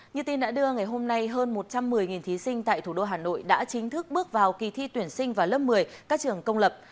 như tin đã đưa ngày hôm nay hơn một trăm một mươi thí sinh tại thủ đô hà nội đã chính thức bước vào kỳ thi tuyển sinh vào lớp một mươi các trường công lập